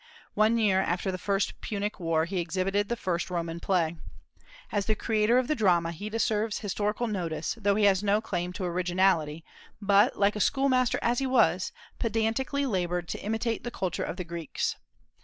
One year after the first Punic War, he exhibited the first Roman play. As the creator of the drama he deserves historical notice, though he has no claim to originality, but, like a schoolmaster as he was, pedantically labored to imitate the culture of the Greeks.